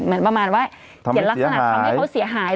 เหมือนประมาณว่าเขียนลักษณะทำให้เขาเสียหาย